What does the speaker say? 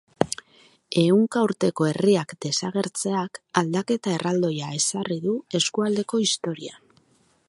Ehunka urteko herriak desagertzeak aldaketa erraldoia ezarri du eskualdeko historian.